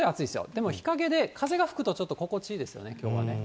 でも日陰で風が吹くとちょっと心地いいですよね、気温がね。